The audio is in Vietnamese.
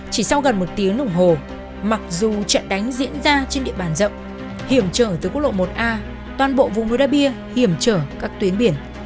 chỉ sau gần một tiếng đồng hồ mặc dù trận đánh diễn ra trên địa bàn rộng hiểm trở từ quốc lộ một a toàn bộ vùng núi đa bia hiểm trở các tuyến biển